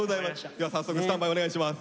じゃあ早速スタンバイお願いします。